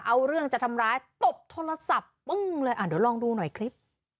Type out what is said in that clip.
เอาเรื่องจะทำร้ายตบโทรศัพท์ปึ้งเลยอ่ะเดี๋ยวลองดูหน่อยคลิป